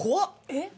えっ？